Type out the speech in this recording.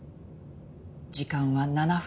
時間は７分。